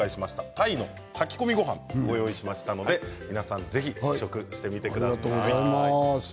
鯛の炊き込みごはんをご用意しましたので、皆さんぜひ試食してみてください。